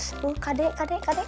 aduh kadek kadek